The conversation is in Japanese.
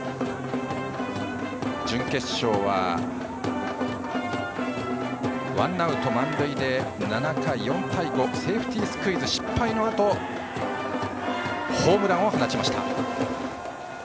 準決勝はワンアウト満塁で７回、４対５とセーフティースクイズ失敗のあとホームランを放ちました。